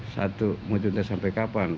satu mau ditunda sampai kapan